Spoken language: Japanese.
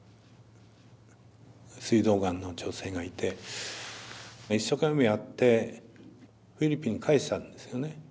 すい臓がんの女性がいて一生懸命やってフィリピン帰したんですよね。